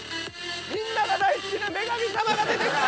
みんなが大好きな女神様が出てきた！